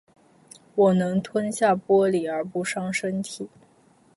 我能吞下玻璃而不伤身体